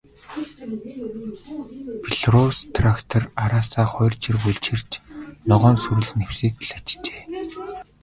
Белорусс трактор араасаа хоёр чиргүүл чирч, ногоон сүрэл нэвсийтэл ачжээ.